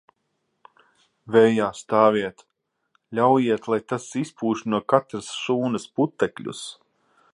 Vējā stāviet, ļaujiet, lai tas izpūš no katras šūnas putekļus.